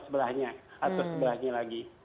sebelahnya atau sebelahnya lagi